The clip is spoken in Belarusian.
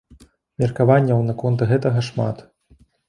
Меркаванняў наконт гэтага шмат.